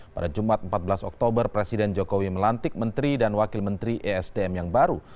pada jumat empat belas oktober presiden jokowi melantik menteri dan wakil menteri esdm yang baru